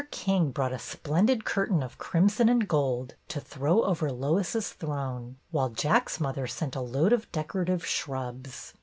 King brought a splendid curtain of crimson and gold to throw over "Lois's Throne," while Jack's mother sent a load of decorative shrubs.